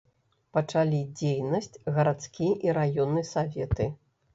Пачалі дзейнасць гарадскі і раённы саветы.